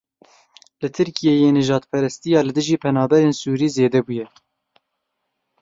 Li Tirkiyeyê nijadperestiya li dijî penaberên Sûrî zêde bûye.